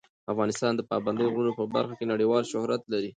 افغانستان د پابندي غرونو په برخه کې نړیوال شهرت لري.